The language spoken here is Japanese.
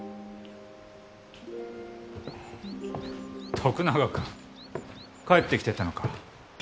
徳永君帰ってきてたのか。